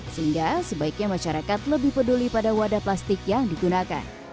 sehingga sebaiknya masyarakat lebih peduli pada wadah plastik yang digunakan